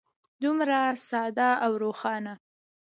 دومره ساده او روښانه.